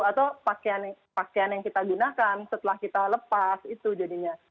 atau pakaian yang kita gunakan setelah kita lepas itu jadinya